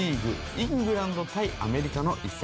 イングランド対アメリカの一戦。